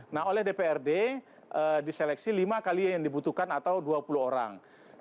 nah oleh dprd diseleksi lima kali yang dibutuhkan atau dua puluh orang